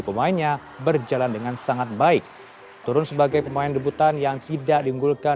pemainnya berjalan dengan sangat baik turun sebagai pemain debutan yang tidak diunggulkan